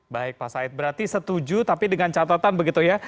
baik pak said berarti setuju tapi dengan catatan begitu ya